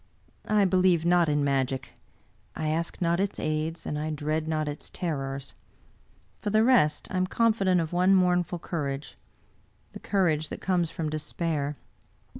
I believe not in magic; I ask not its aids, and I dread not its terrors. For the rest, I am confident of one mournful courage — ^the courage that comes from despair.